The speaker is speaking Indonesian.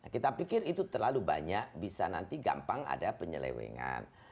kita pikir itu terlalu banyak bisa nanti gampang ada penyelewengan